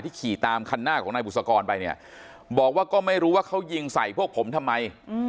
ขี่ตามคันหน้าของนายบุษกรไปเนี่ยบอกว่าก็ไม่รู้ว่าเขายิงใส่พวกผมทำไม